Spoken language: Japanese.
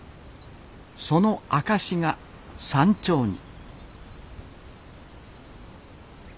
その証しが山頂に。